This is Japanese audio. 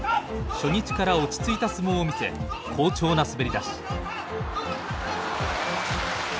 初日から落ち着いた相撲を見せ好調な滑りだし。